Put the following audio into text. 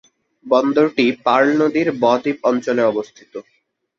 বন্দরটি Pearl নদীর ব-দ্বীপ অঞ্চলে অবস্থিত।